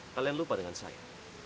kalian lupa dengan saya